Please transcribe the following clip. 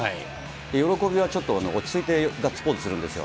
喜びはちょっと落ち着いてガッツポーズするんですよ。